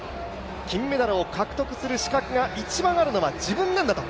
金メダルを獲得する資格が一番あるのは自分なんだと。